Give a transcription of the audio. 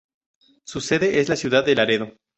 Su sede es la ciudad Laredo.